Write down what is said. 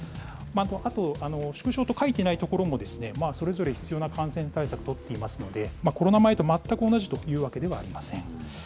あと縮小と書いてない所も、それぞれ必要な感染対策取っていますので、コロナ前と全く同じというわけではありません。